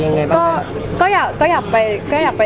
แต่จริงแล้วเขาก็ไม่ได้กลิ่นกันว่าถ้าเราจะมีเพลงไทยก็ได้